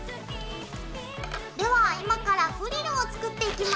では今からフリルを作っていきます。